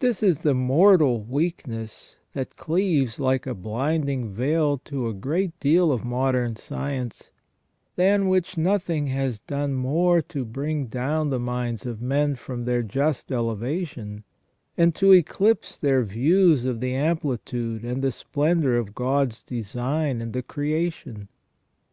This is the mortal weakness that cleaves like a blinding veil to a great deal of modern science, than which nothing has done more to bring down the minds of men from their just elevation, and to eclipse their views of the amplitude and the splendour of God's design in the creation.